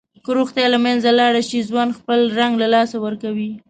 که روغتیا له منځه لاړه شي، ژوند خپل رنګ له لاسه ورکوي.